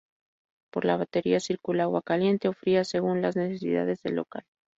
Por la batería circula agua caliente o fría según las necesidades del local.